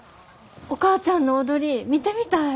お母ちゃんの踊り見てみたい。